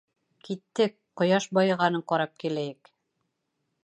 Киттек, ҡояш байығанын ҡарап киләйек.